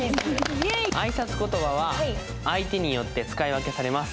挨拶言葉は相手によって使い分けされます。